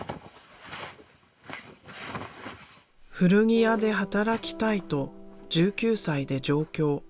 古着屋で働きたいと１９歳で上京。